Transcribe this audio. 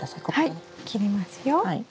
はい切りますよ。